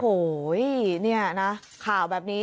โอ้โหเนี่ยนะข่าวแบบนี้